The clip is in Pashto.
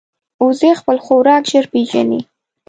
وزې خپل خوراک ژر پېژني